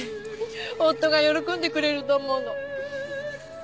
夫が喜んでくれると思うの。